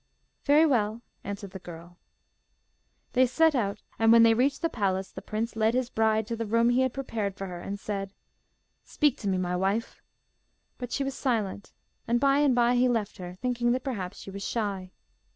'Very well,' answered the girl. They set out; and when they reached the palace, the prince led his bride to the room he had prepared for her, and said 'Speak to me, my wife,' but she was silent; and by and by he left her, thinking that perhaps she was shy.